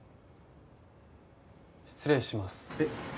失礼します。